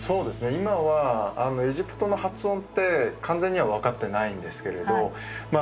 今はエジプトの発音って完全には分かってないんですけれどまあ